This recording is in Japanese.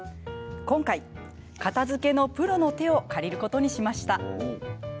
今回、片づけのプロの手を借りることにしました。